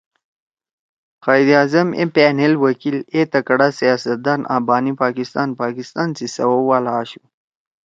قائداعظم اے پأنیل وکیل، اے تکڑا سیاستدان آں بانی پاکستان )پاکستان سی سَوَؤ والا( آشُو